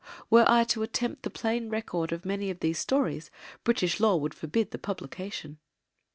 Were I to attempt the plain record of many of these stories British law would forbid the publication.